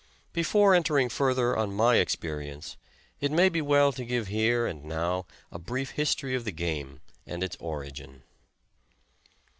Before entering further on my experience it may be well to give here and now a brief history of the game and its origin.